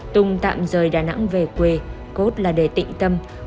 tùng tạm rời đà nẵng về quê cốt là để tịnh tâm